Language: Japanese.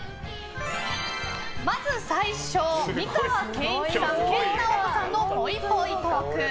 まず最初、美川憲一さん＆研ナオコさんのぽいぽいトーク。